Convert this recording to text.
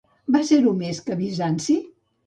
Va ser-ho més que Bizanci?